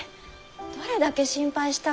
どれだけ心配したか。